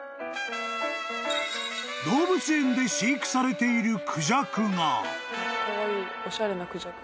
［動物園で飼育されているクジャクが］